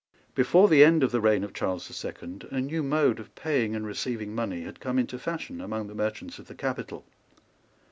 Before the end of the reign of Charles the Second, a new mode of paying and receiving money had come into fashion among the merchants of the capital.